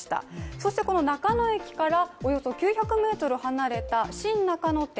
そしてこの中野駅からおよそ９００ｍ離れた新中野店。